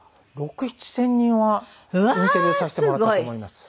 ６０００７０００人はインタビューさせてもらったと思います。